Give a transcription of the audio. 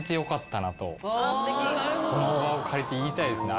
この場を借りて言いたいですね